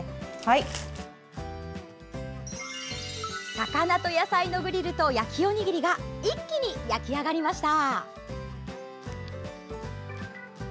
魚と野菜のグリルと焼きおにぎりが一気に焼き上がりました。